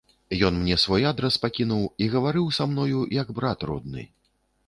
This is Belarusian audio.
Ён мне свой адрас пакінуў і гаварыў са мною, як брат родны.